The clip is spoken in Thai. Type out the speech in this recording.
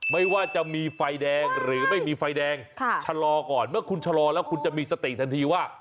ไม่ว่าจะมีไฟแดงหรือไม่มีไฟแดงชะลอก่อนเมื่อคุณชะลอแล้วคุณจะมีสติทันทีว่า